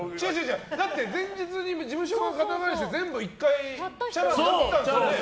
だって前日に事務所の方にいったん全部チャラになったんですよね？